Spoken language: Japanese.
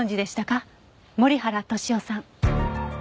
森原俊夫さん。